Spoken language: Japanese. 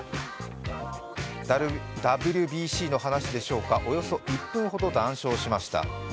ＷＢＣの話でしょうか、およそ１分ほど談笑しました。